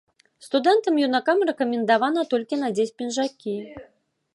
Студэнтам-юнакам рэкамендавана толькі надзець пінжакі.